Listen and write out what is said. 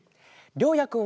りょうやくん。